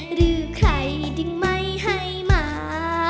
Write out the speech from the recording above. หรือใครจึงไม่ให้มา